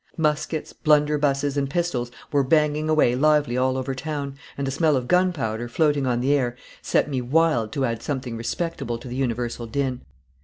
Muskets, blunderbusses, and pistols were banging away lively all over town, and the smell of gunpowder, floating on the air, set me wild to add something respectable to the universal din.